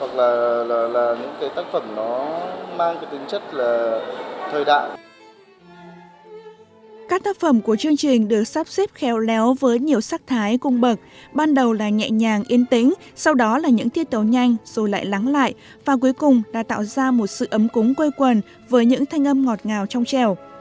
các tác phẩm của chương trình được sắp xếp khéo léo với nhiều sắc thái cung bậc ban đầu là nhẹ nhàng yên tĩnh sau đó là những thiết tấu nhanh rồi lại lắng lại và cuối cùng đã tạo ra một sự ấm cúng quê quần với những thanh âm ngọt ngào trong treo